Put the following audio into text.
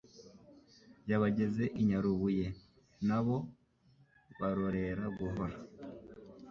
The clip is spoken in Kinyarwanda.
Yabageza i Nyarubuye.Na bo barorera guhora,